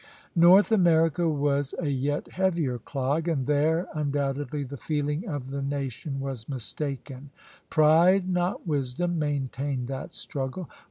North America was a yet heavier clog, and there undoubtedly the feeling of the nation was mistaken; pride, not wisdom, maintained that struggle.